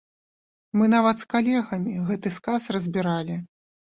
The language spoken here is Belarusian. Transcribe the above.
Мы нават з калегамі гэты сказ разбіралі.